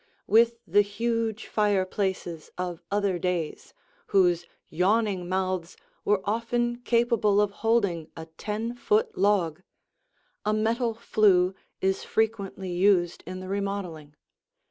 With the huge fireplaces of other days, whose yawning mouths were often capable of holding a ten foot log, a metal flue is frequently used in the remodeling.